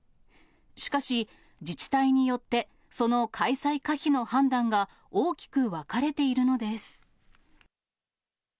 しかし、自治体によってその開催可否の判断が大きく分かれているのです。